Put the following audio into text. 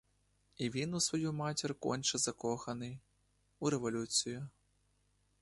І він у свою матір конче закоханий — у революцію.